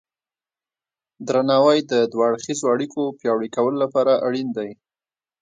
درناوی د دوه اړخیزو اړیکو پیاوړي کولو لپاره اړین دی.